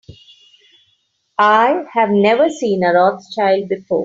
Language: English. I have never seen a Rothschild before.